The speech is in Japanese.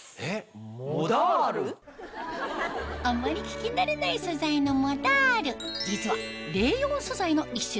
あまり聞き慣れない素材のモダール